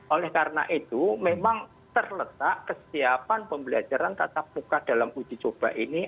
oleh karena itu memang terletak kesiapan pembelajaran tatap muka dalam uji coba ini